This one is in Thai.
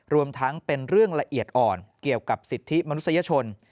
รวมทั้งเป็นเรื่องละเอียดอ่อนเกี่ยวกับสิทธิมนุษยชน